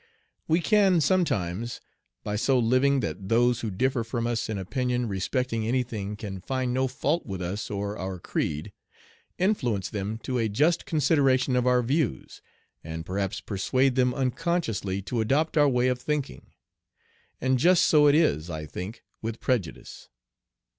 We can sometimes, by so living that those who differ from us in opinion respecting any thing can find no fault with us or our creed, influence them to a just consideration of our views, and perhaps persuade them unconsciously to adopt our way of thinking. And just so it is, I think, with prejudice.